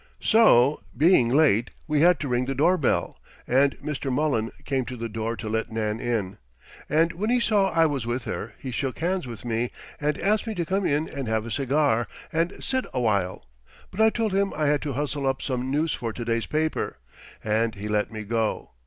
So, being late, we had to ring the doorbell, and Mr. Mullen came to the door to let Nan in, and when he saw I was with her he shook hands with me and asked me to come in and have a cigar, and sit awhile, but I told him I had to hustle up some news for to day's paper, and he let me go.